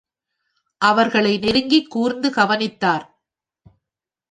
அவர்களை நெருங்கிக் கூர்ந்து கவனித்தார்.